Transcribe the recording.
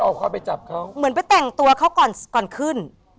เอาเข้าไปจับเขาเหมือนไปแต่งตัวเขาก่อนก่อนขึ้น